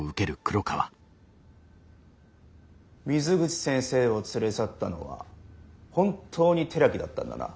水口先生を連れ去ったのは本当に寺木だったんだな？